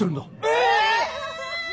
えっ？